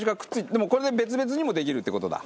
でもこれで別々にもできるって事だ。